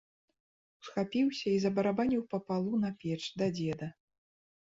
Усхапіўся і забарабаніў па палу на печ, да дзеда.